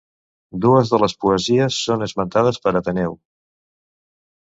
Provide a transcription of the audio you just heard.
Dues de les poesies són esmentades per Ateneu.